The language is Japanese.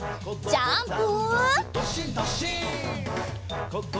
ジャンプ！